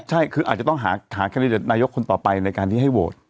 ใช่คืออาจจะต้องหาแคนดิเดตนายกคนต่อไปในการที่ให้โหวต